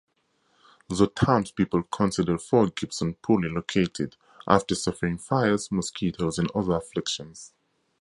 The townspeople considered Fort Gibson poorly located after suffering fires, mosquitoes, and other afflictions.